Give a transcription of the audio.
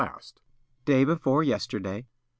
Witness: "Day before yesterday."